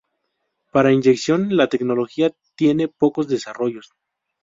Para inyección la tecnología tiene pocos desarrollos.